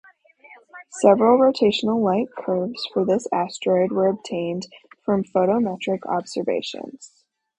Several rotational lightcurves for this asteroid were obtained from photometric observations.